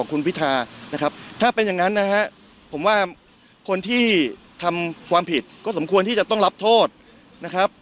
คุณพิธานะครับถ้าเป็นอย่างนั้นนะฮะผมว่าคนที่ทำความผิดก็สมควรที่จะต้องรับโทษนะครับ